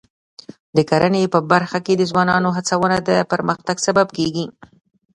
د کرنې په برخه کې د ځوانانو هڅونه د پرمختګ سبب کېږي.